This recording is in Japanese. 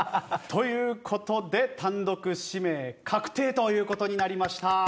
という事で単独指名確定という事になりました。